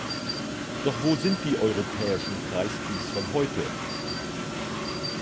Doch wo sind die europäischen Kreiskys von heute?